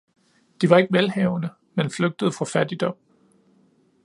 De var ikke velhavende, men flygtede fra fattigdom.